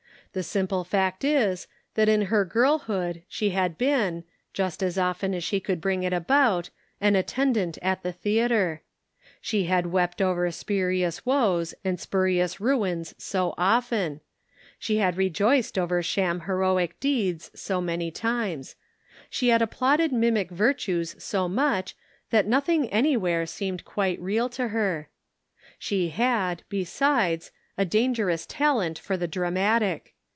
The simple fact is, that in her girlhood she had been, just as often as she could bring it about an attendant at the theater. She had wept over spurious woes and spurious ruins so often ; she had rejoiced over sham heroic deeds so many times; she had applauded mimic virtues so much that nothing any where seemed quite real to her. She had, besides, a dangerous talent for the dramatic.